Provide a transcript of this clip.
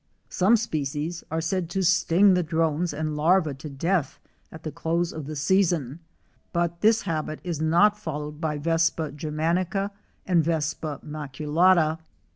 Some species are said to sting the drones and larvae to death at the close of the season, but this habit is not fol lowed by V. germanica and V. maculata.